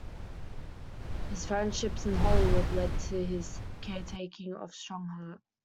His friendships in Hollywood led to his care-taking of Strongheart.